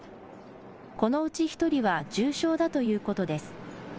このうち１人は重症だということです。